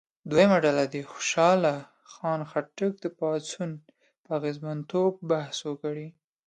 دویمه ډله دې د خوشحال خان خټک د پاڅون په اغېزمنتوب بحث وکړي.